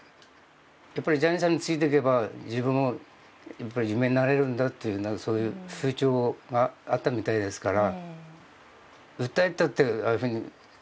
やっぱりジャニーさんについていけば自分も有名になれるんだという、そういう風潮があったみたいですから。